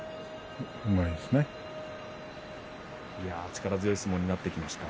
力強い相撲になってきました